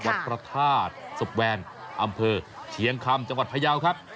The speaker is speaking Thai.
วัดพระธาตุศพแวงอำเภอเชียงคำจังหวัดพยาวครับ